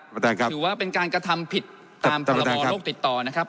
ประตานครับถือว่าเป็นการกระทำผิดตามกรมรโลกติดต่อนะครับ